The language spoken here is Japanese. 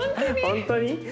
本当に？